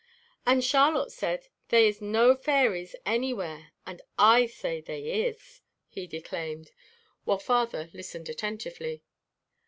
"And Charlotte said they is no fairies anywhere and I say they is," he declaimed, while father listened attentively.